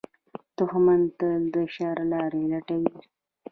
دښمن تل د شر لارې لټوي